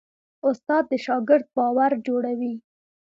استاد د شاګرد باور جوړوي.